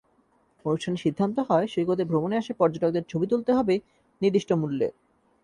অনুষ্ঠানে সিদ্ধান্ত হয়, সৈকতে ভ্রমণে আসা পর্যটকদের ছবি তুলতে হবে নির্দিষ্ট মূল্যে।